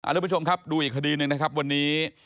ดูอีกคดีหนึ่งนะครับวันนี้